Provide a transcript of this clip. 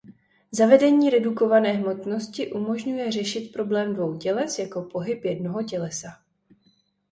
Zavedení redukované hmotnosti umožňuje řešit problém dvou těles jako pohyb jednoho tělesa.